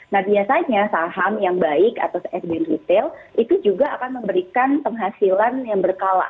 nah biasanya saham yang baik atau sdn retail itu juga akan memberikan penghasilan yang berkala